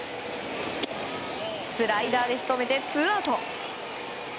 スライダーで仕留めてツーアウト。